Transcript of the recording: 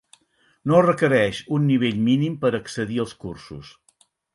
No es requereix un nivell mínim per accedir als cursos.